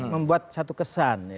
membuat satu kesan